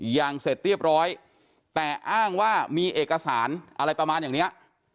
อย่างเสร็จเรียบร้อยแต่อ้างว่ามีเอกสารอะไรประมาณอย่างเนี้ย